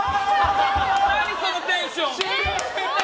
何そのテンション！